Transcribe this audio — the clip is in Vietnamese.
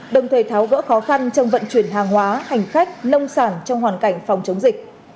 đồng thời tháo gỡ khó khăn trong vận chuyển hàng hóa hành khách nông sản trong hoàn cảnh phòng chống dịch